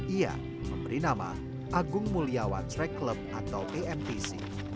ia memberi nama agung muliawan strike club atau amtc